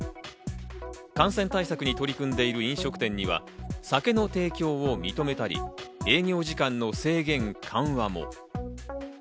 感染対策に取り組んでいる飲食店には酒の提供を認めたり、営業時間の制限緩和も。